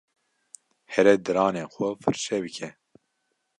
Here diranên xwe firçe bike.